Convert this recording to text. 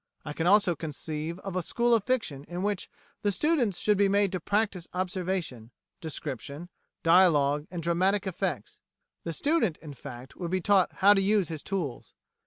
I can also conceive of a School of Fiction in which the students should be made to practise observation, description, dialogue, and dramatic effects. The student, in fact, would be taught how to use his tools."